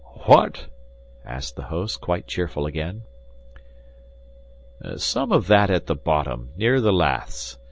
"What?" asked the host, quite cheerful again. "Some of that at the bottom, near the laths.